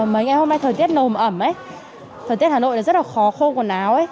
mấy ngày hôm nay thời tiết nồm ẩm thời tiết hà nội rất khó khô quần áo